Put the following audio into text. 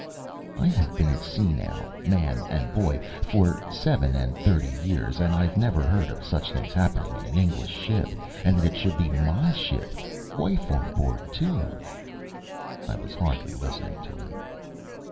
"I have been at sea now, man and boy, for seven and thirty years, and I've never heard of such a thing happening in an English ship. And that it should be my ship. Wife on board, too." I was hardly listening to him.